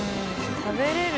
食べれる？